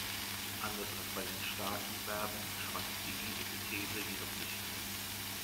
Anders als bei den starken Verben verschwand die e-Epithese jedoch nicht.